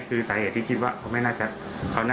คือแถบที่เคยงาน